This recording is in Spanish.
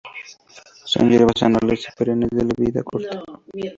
Son hierbas anuales o perennes de vida corta.